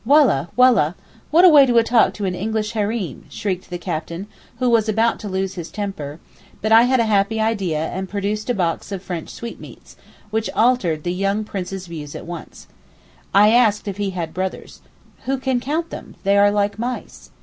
'Wallah! wallah! what a way to talk to English Hareem!' shrieked the captain, who was about to lose his temper; but I had a happy idea and produced a box of French sweetmeats, which altered the young Prince's views at once. I asked if he had brothers. 'Who can count them? they are like mice.